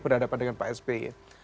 berhadapan dengan pak spi